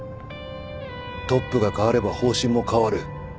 トップが代われば方針も変わる。